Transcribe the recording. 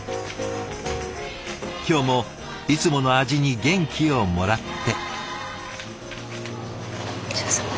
今日もいつもの味に元気をもらって。